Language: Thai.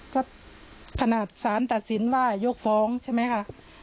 ก็ขนาดสารตัดสินว่ายกฟ้องใช่ไหมคะ